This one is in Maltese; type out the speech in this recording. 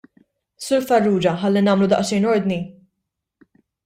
Sur Farrugia, ħalli nagħmlu daqsxejn ordni.